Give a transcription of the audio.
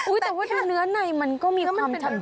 อุ๊ยแต่ว่าดูเนื้อในมันก็มีความชำ